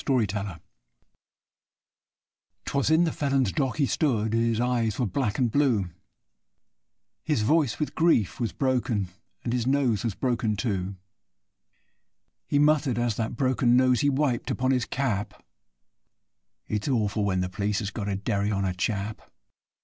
A DERRY ON A COVE 'Twas in the felon's dock he stood, his eyes were black and blue; His voice with grief was broken, and his nose was broken, too; He muttered, as that broken nose he wiped upon his cap 'It's orful when the p'leece has got a derry on a chap.